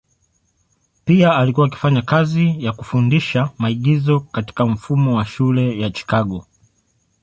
Pia alikuwa akifanya kazi ya kufundisha maigizo katika mfumo wa shule ya Chicago.